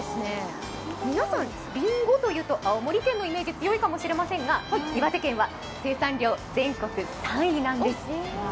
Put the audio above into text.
皆さん、りんごというと青森県のイメージが強いかもしれませんが岩手県は生産量全国３位なんです。